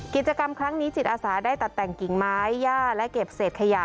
กิจกรรมครั้งนี้จิตอาสาได้ตัดแต่งกิ่งไม้ย่าและเก็บเศษขยะ